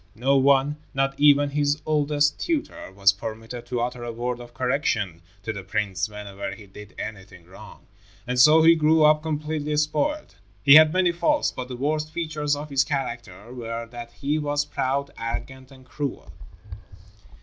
No one, not even his oldest tutor, was permitted to utter a word of correction to the prince whenever he did anything wrong, and so he grew up completely spoiled. He had many faults, but the worst features of his character were that he was proud, arrogant and cruel.